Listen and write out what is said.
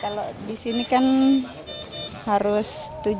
kalau di sini kan harus tujuh